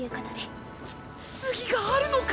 次があるのか！